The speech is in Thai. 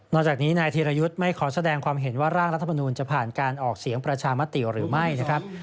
จากนี้นายธีรยุทธ์ไม่ขอแสดงความเห็นว่าร่างรัฐมนูลจะผ่านการออกเสียงประชามติหรือไม่นะครับ